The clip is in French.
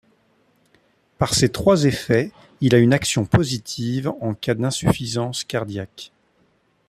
Par ces trois effets, il a une action positive en cas d'insuffisance cardiaque.